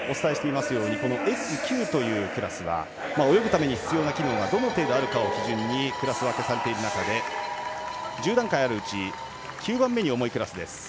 Ｓ９というクラスは泳ぐために必要な機能がどの程度あるかを基準にクラス分けしている中で１０段階あるうち９番目に重いクラスです。